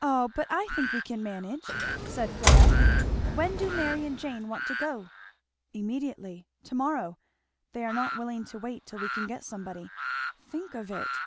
"O but I think we can manage," said Fleda. "When do Mary and Jane want to go?" "Immediately! to morrow they are not willing to wait till we can get somebody. Think of it!"